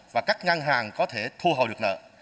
và các ngân hàng có thể thu hồi được nợ